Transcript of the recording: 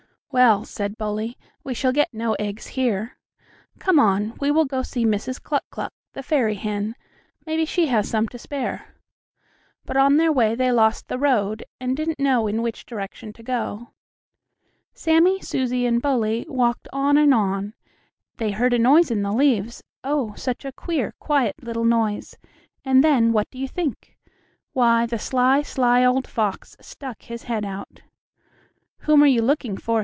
"Well," said Bully, "we shall get no eggs here. Come on, we will go see Mrs. Cluck Cluck, the fairy hen. Maybe she has some to spare." But on their way they lost the road, and didn't know in which direction to go. Then fox was, but he couldn't help himself. Then Sammie, Susie and Bully walked on and on they heard a noise in the leaves, oh, such a queer, quiet little noise! and then, what do you think? Why, the sly, sly old fox stuck his head out. "Whom are you looking for?"